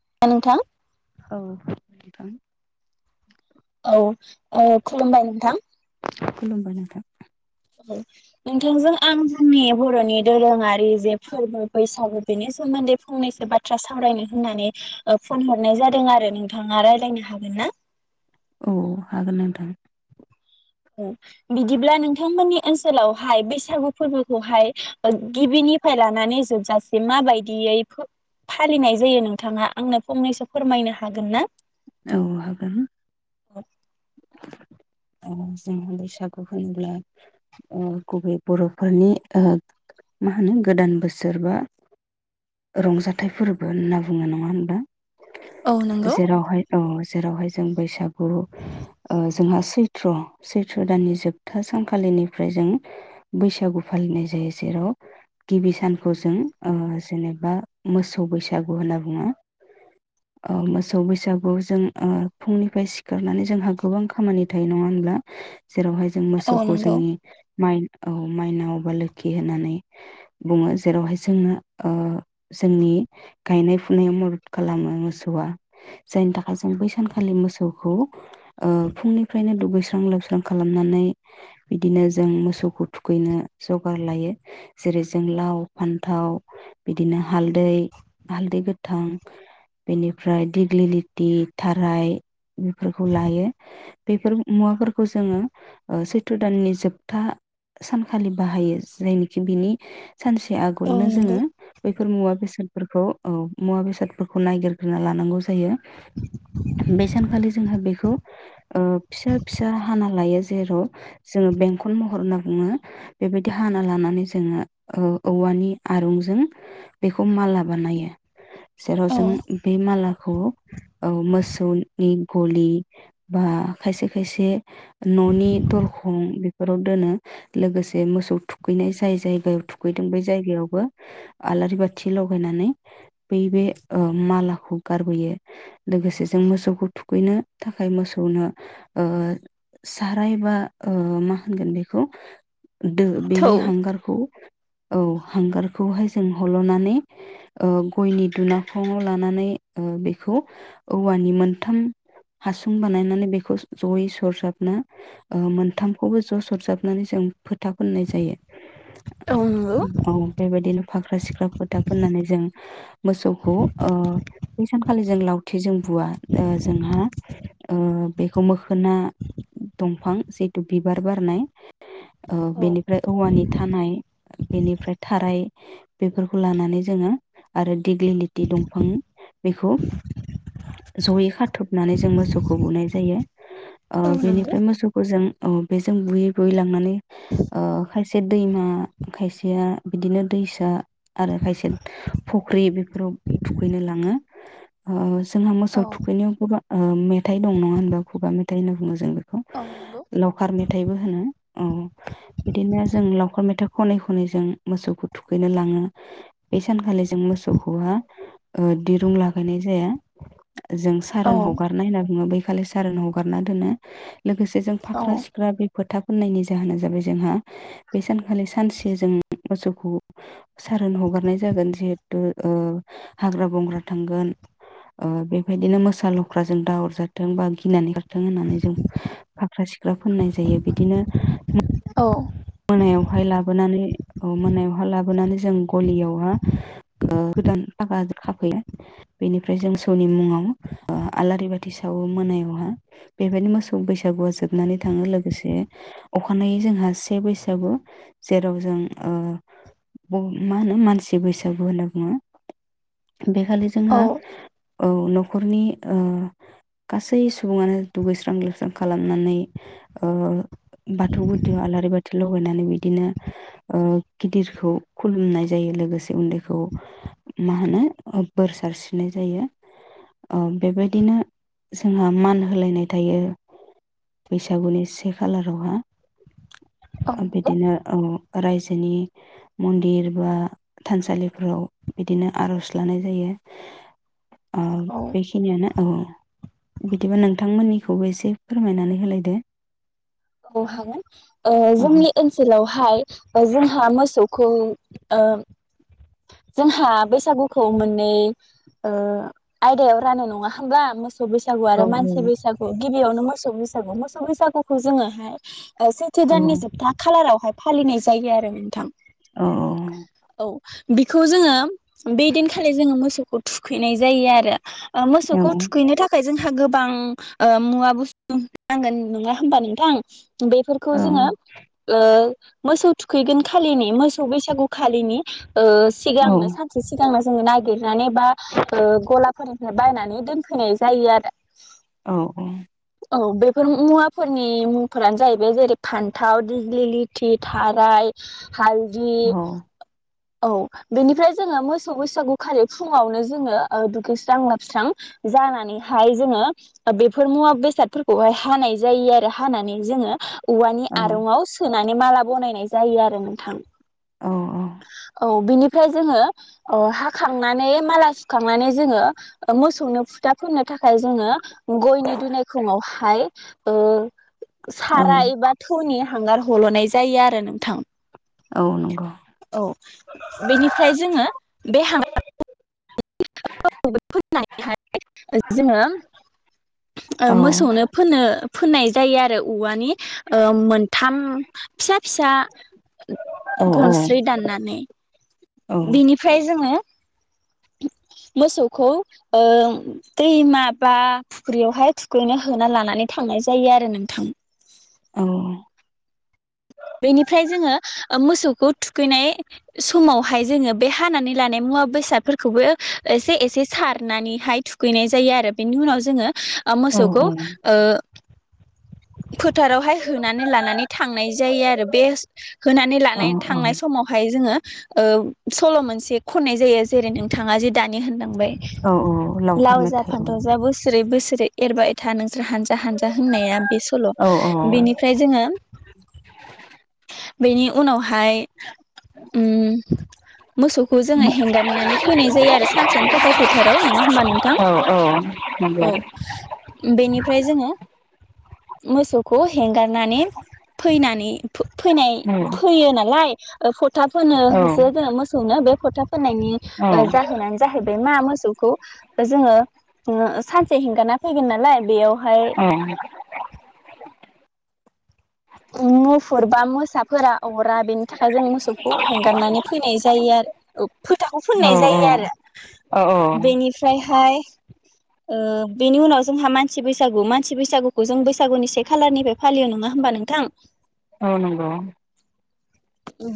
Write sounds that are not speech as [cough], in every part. [unintelligible] नोंथां औ नोंथां औ ओम खुलुमबाय नोंथां खुलुमबाय नोंथां औ नोंथांजों आं जोंनि बर'नि दोरोङारि जे फोरबो बैसागु बेनि सोमोन्दै फंनैसो बाथ्रा सावरायनो होननानै फन हरनाय जादों आरो नोंथाङा रायलायनो हागोन ना औ हागोन नोंथां औ बिदिब्ला नोंथांमोननि ओनसोलावहाय बैसागु फोरबोखौहाय गिबिनिफ्राय लानानै जोबजासिम माबायदियै फालिनाय जायो नोंथाङा आंनो फंनैसो फोरमायनो हागोन ना औ हागोन आरो औ‌जोंहा बैसागु होनोब्ला गुबै बर'फोरनि ओ मा होनो गोदान बोसोर बा रंजाथाइ फोरबो होनना बुङो नङा होनबा औ नंगौ जेरावहाय औ जेरावहाय जों बैसागु औ जोंहा सैथ्र' सैथ्र' दाननि जोबथा सानखालिनिफ्राय जों बैसागु फालिनाय जायो जेराव गिबि सानखौ जों जेनेबा मोसौ बैसागु होनना बुङो मोसौ बैसागुआव जों फुंनिफ्राय सिखारनानै जोंहा गोबां खामानि थायो नङा होमब्ला जेरावहाय जों औ मोसौखौ नंगौ जोंनि माइनाव औ माइनाव अ बा लोखि होननानै बुङो जेरावहाय जोंनो जोंनि गायनाय फुनायाव मदद खालामो मोसौआ जायनि थाखाय जों बै सानखालि मोसौखौ ओ फुंनिफ्रायनो दुगैस्रां लोबस्रां खालामनानै बिदिनो जों मोसौखौ थुखैनो जगार लायो जेरै जों लाव फान्थाव बिदिनो हालदै हालदै गोथां बेनिफ्राय दिग्लि लथि थाराय बेफोरखौ लायो बेफोर मुवाफोरखौ जोङो सैथ्र' दाननि जोबथा सानखालि बाहायो जायनोखि बिनि सानसे औ आगोलनो नंगौ जोङो बैफोर मुवा बेसाद फोरखौ औ मुवा बेसादफोरखौ नायगिरग्रोना लानांगौ जायो बे‌ सानखालि जोंहा बेखौ ओ फिसा फिसा हाना लायो जेराव जोङो बेंखन महर होनना बुङो बेबायदि हाना लानानै जोङो औवानि आरुंजों बेखौ माला बानायो जेराव औ जों बे मालाखौ औ मोसौनि गलि बा खायसे खायसे न'नि दरखं बेफोराव दोनो लोगोसे मोसौ थुखैनाय जाय जायगायाव थुखैदों बे जायगायावबो आलारि बाथि लगायनानै बै बे ओ मालाखौ गारबोयो लोगोसे जों मोसौखौ थुखैनो थाखाय मोसौनो ओ साराय बा ओ मा होनगोन बेखौ दो थौ बेनि हांगारखौ औ हांगारखौहाय जों हल'नानै ओ गयनि दुनाखङाव लानानै बेखौ औवानि मोनथाम हासुं बानायनानै बेखौ जयै सरजाबनो ओ मोनथामखौबो ज' सरजाबनानै जों फोथा फोननाय जायो औ नंगौ अ बेबायदिनो फाख्रा सिख्राखौ फोथा फोननानै जों मोसौखौ ओ बै सानखालि जों लावथि जों बुवा ओ जोंहा ओ बेखौ मोखोना दंफां जिथु बिबार बारनाय ओ औ बेनिफ्राय औवानि थानाय बेनिफ्राय थाराय बेफोरखौ लानानै जोङो आरो दिग्लिलिटि दंफां बेखौ जयै खाथबनानै ज जों मोसौखौ बुनाय जायो आ औ नंगौ बेनिफ्राय मोसौखौ जों अ बेजों बुयै बुयै लांनानै ओ खायसे दैमा खायसेया बिदिनो दैसा आरो खायसे फख्रि बेफोराव थुखैनो लाङो अ जोंहा मोसौ औ थुखैनायाव गोबां ओ मेथाइ दं नङा होनबा खुगा मेथाइ होनना बुङो जों बे औ नंगौ मेथाइबो होनो औ बिदिनो जों लावखार मेथा खनै खनै जों मोसौखौ थुखैनो लाङो बे सानखालि जों मोसौखौ दिरुं लागायनाय जाया जों औ सारोन ह बुङो बैखालि सारोन हगारना दोनो लोगोसे जों औ फाख्रा सिख्रा बे फोथा फोननायनि जाहोना जाबाय जोंहा बे सानखालि सानसे जों मोसौखौ सारोन हगारनाय जागोन जिहेथु ओ हाग्रा बंग्रा थांगोन ओ बेबायदिनो मोसा ल ख्राजों दाहर जाथों बा गिनानै जथों होननानै जों फाख्रा सिख्रा फोननाय जायो बिदिनो औ मोनायावहाय लाबोनानै मोनायावहाय लाबोनानै जों गलियावहा गोदान फागा खाफैया बेनिफ्राय जोंसौनि मुङाव आलारि बाथि सावो मोनायावहा बेबायदि मोसौ बैसागुआ जोबनानै थाङो लोगोसे अखानायै जोंहा बैसागु जेराव जों ओ मा होनो मानसि बैसागु होनना बुङो बेखालि औ जोंहा औ न'खरनि ओ गासै सुबुङानो दुगैस्रां लोबस्रां खालामनानै ओ बाथौ गुदि आलारि बाथि लगायनानै बिदिनो ओ गिदिरखौ खुलुमनाय जायो लोगोसे उन्दैखौ मा होनो बोर सारस्रिनाय जायो ओ बेबायदिनो जोंहा मान होलायनाय थायो बैसागुनि से खालारावहा औ नंगौ बिदिनो ओ रायजोनि मन्दिर बा थानसालिफोराव बिदिनो आर'ज लानाय जायो आ औ बेखिनियानो औ बिदिबा नोंथांमोननिखौबो एसे फोरमायनानै होलायदो औ हागोन ओ औ जोंनि ओनसोलावहाय जोंहा मोसौखौ ओ जोंहा बैसागुखौ मोननै ओ आयदायाव रानो नङा होमब्ला मो मोसौ बैसागु औ आरो मानसि बैसु गिबियावनो मोसौ मोसौ बैसाग मोसौ बैसागुखौ जोङो हाय सैथो औ दाननि जोबथा खालारावहाय फालिनाय जायो आरो नोंथां अ बिखौ जोङो बे दिनखालि जोङो मोसौ खौ थुखैनाय जायो आरो औ मोसौखौ थुखैनो थाखाय जों गोबां ओ मुवा बुस्थु नांगोन नङा होमबा नोंथां [inaudible] बेफोरखौ औ जोङो ओ मोसौ थुखैगोन खालिनि मोसौ बैसागु खालिनि ओ औ सिगांनो सानसे सिगांनो जोङो नागिरनानै बा ओ गलाफोरनिफ्राय बायनानै दोनफैनाय जायो आरो औ औ औ बेफोर मुवाफोरनि मुंफोरानो जाहैबाय जेरै फान्थाव दिगलि लिथि थाराय हालदि औ बेनिफ्राय जोङो मोसौ बैसागु खालि फुङावनो जोङो ओ दुगैस्रां लोबस्रां जानानैहाय जोङो बेफोर मुवा बेसादफोरखौहाय हानाय जायो आरो हानानै जोङो औवानि आरंआव सोनाय माने माला बनायनाय जायो आरो नोंथां औ औ औ बिनिफ्राय जोङो अ हाखांनानै माला सुखांनानै जोङो मोसौनो फुथा फोननो थाखाय जोङो गयनि दुनायखङाव हाय ओ औ साराय एबा थौनि हांगार हल'नाय जायो आरो नोंथां औ नंगौ औ बेनिफ्राय जोङो बे हांगारखौ फोननानैहाय जोङो औ मोसौनो फोनो फोननाय जायो आरो औवानि ओ मोनथाम फिसा फिसा औ गनस दाननानै औ बेनिफ्राय जोङो मोसौखौ ओ दैमा बा फख्रियावहाय नो होना लानानै थांनाय जायो आरो न नोंथां औ बेनिफ्राय जोङो मोसौखौ थुखैनाय समावहाय जोङो बे हानानै लानाय मुवा बेसादफोरखौबो एसे एसे सार नानैहाय थुखैनाय जायो आरो बेनि उनाव जोङो ओ औ मोसौखौ ओ फोथारावहाय होनानै लानानै थां जायो आरो बे होनानै लानाय औ थांनाय समावहाय जोङो ओ सल' मोनसे खननाय जायो जेरै नोंथाङा जे दानि होनदों औ औ लावखार लाव जा मेथाइ फथाव जा बोसोरै बो सोरै एरबाय ए था नों हानजा हानजा होननाया बे सल' औ बेनिफ्राय जोङो [inaudible] बेनि उनाव हाय मोसौखौ औ जोङो हेंगारनानै फैनाय जायो आरो सानसेनि थाखाय फोथाराव नङा हबा नोंथां औ औ नंगौ औ बेनिफ्राय जोङो मोसौ खौ हेंगारनानै फैनानै फैनाय औ फैयो नालाय [unintelligible] फोथा फोनो औ होसो जोङो मोसौनो बे खथा होनायनि औ ओ जाहोनानो जाहैबाय मा मो सौखौ जोङो ओ सान से हेंगाना फैगोन नालाय बेयावहाय मुफुरबा मोसाफोरा अरा बेनि थाखाय जों मोसौखौ हेंगारनानै फैनाय जायो आरो फोथाखौ औ फोननाय जायो आरो औ बेनिफ्रायहाय ओ बेनि उनाव जोंहा मानसि बैसागु मानसि बैसागुखौ जों बैसागुनि से खालारनिफ्राय फालियो नङा होमबा नों थां अ नंगौ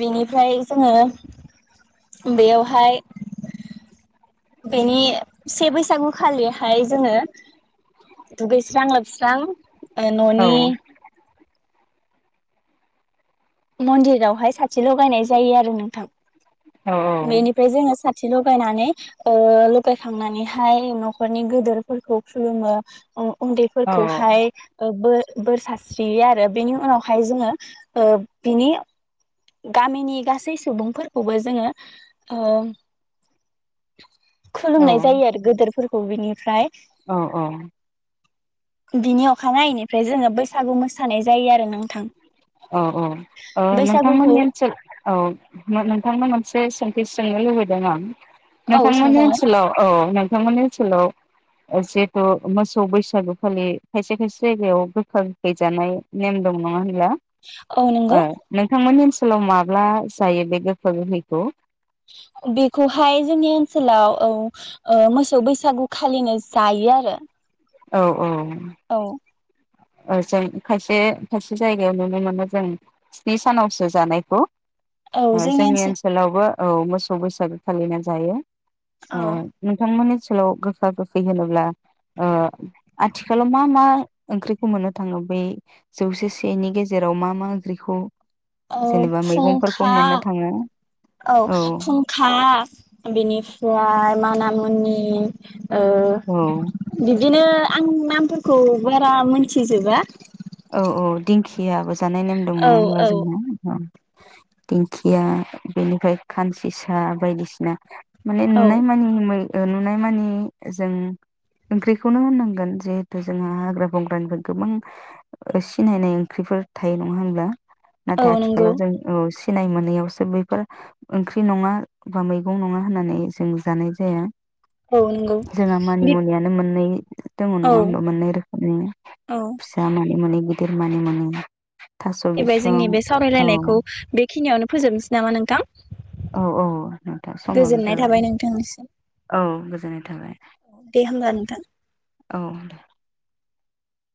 बेनिफ्राय जोङो बेयावहाय बेनि से बैसागुखालिहाय जोङो दुगैस्रां लोबस्रां ओ औ न'नि मन्दिरावहाय साथि लगायनाय जायो आरो नोंथां औ औ बेनिफ्राय जोङो सा थि लगायनानै ओ लगायखांनानैहाय नखरनि गोदोरफोरखौ खुलुमो उनदैफोरखौहाय ओ बो बोर सारस्रियो आरो बेनि उनावहाय जोङो ओ बिनि गामिनि गासै सुबुंफोरखौबो जोङो ओ खुलुमनाय जायो आरो गोदोरफोरखौ बिनिफ्राय बिनि अखानायानायैनिफ्राय जोङो बैसागु मोसानाय जायो आरो नोंथां औ औ औ नोंथां [unintelligible] बैसागुखौ औ नोंथांनाव मोनसे सों थि सोंनो लुबैदों आं औ नोंथांमोननि सोंजागोन ओनसोलाव औ नोंथांमोननि ओनसोलाव जिहेथु मोसौ बैसागु फालियो खायसे खायसे जायगायाव गोखा गोखै जानाय नेम दं नङा होनब्ला औ नंगौ ओ नोंथांमोननि ओनसो लाव माब्ला जायो बे गोखा गोखैखौ बेखौहाय जोंनि ओनसोलाव औ ओ मोसौ बैसागुखालिनो जायो आरो औ औ औ औ जों खायसे खायसे जायगायाव नुनो मोनो जों स्नि सानावसो जानायखौ औ ओ जोंनि ओनसोल ओनसोलावबो औ मोसौ बैसागो फालिनाय जायो ओ औ नोंथांमोननि ओनसोलाव गोखा गोखै होनोब्ला ओ आथिखालाव मा मा ओंख्रि खौ मोननो थाङो बै जौसे सेनि गेजेराव मा मा ओंख्रिखौ औ जेनेबा मैगंफोरखौ फुंखा मोननो थाङो औ फुंखा बेनिफ्राय माना मुनि नि ओ औ बिदिनो आं नामफोरखौ बारा मोनथिजोबा औ औ दिंखियाबो जानाय नेम दं नङा औ होनबला औ जोंहा औ दिंखिया बेनिफ्राय खानसिसा बायदिसिना माने औ नुनाय मानि नुनाय मानि जों ओंख्रिखौनो होननांगोन जिहेथु जोंहा हाग्रा बंग्रानिफ्राय गोबां सिनायनाय ओंख्रिफोर थायो नङा होनब्ला औ नथाय नंगौ आथिखालाव जों सिनाय मोनैयावसो बैफोर ओंख्रि नङा बा मैगं नङा होननानै जों जानाय जाया औ नंगौ जोंहा मानि बि मुनियानो मोननै दङ नङा औ होमा मोननै रोखोमनि औ फिसा मोन मोने गिदिर मानि मुनि जाहैबाय जोंनि बिसं बे औ सावरायलायनायखौ बे खिनियावनो फोजोबनोसै नामा नोंथां औ औ नोंथां समाबो गोजोननाय जाबाय थाबाय नोंथांसिम औ गोजोननाय थाबाय दे होमब्ला नोंथां। औ दे